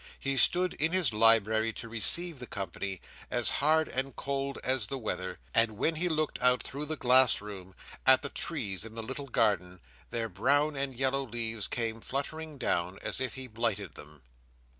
He stood in his library to receive the company, as hard and cold as the weather; and when he looked out through the glass room, at the trees in the little garden, their brown and yellow leaves came fluttering down, as if he blighted them.